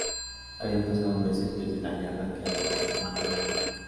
Habían pasado meses desde la guerra que asoló Macro Land.